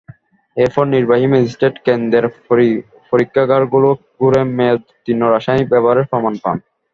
এরপর নির্বাহী ম্যাজিস্ট্রেট কেন্দ্রের পরীক্ষাগারগুলো ঘুরে মেয়াদোত্তীর্ণ রাসায়নিক ব্যবহারের প্রমাণ পান।